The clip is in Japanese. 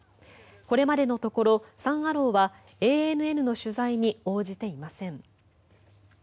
これまでのところサン・アローはＡＮＮの取材に応じていません。